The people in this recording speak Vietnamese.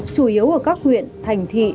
chủ yếu ở các huyện thành thị